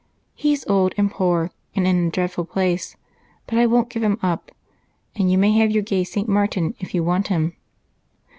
He's old and poor, and in a dreadful place, but I won't give him up, and you may have your gay St. Martin if you want him."